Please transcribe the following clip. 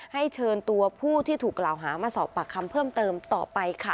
เชิญตัวผู้ที่ถูกกล่าวหามาสอบปากคำเพิ่มเติมต่อไปค่ะ